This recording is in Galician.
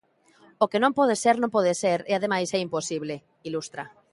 "O que non pode ser non pode ser e ademais é imposible", ilustra.